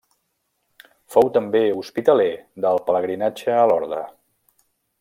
Fou també hospitaler del pelegrinatge a Lorda.